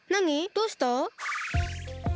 どうした？